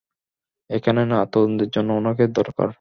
এখানে না, তদন্তের জন্য উনাকে দরকার।